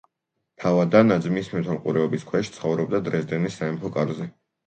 თავად ანა ძმის მეთვალყურეობის ქვეშ ცხოვრობდა დრეზდენის სამეფო კარზე.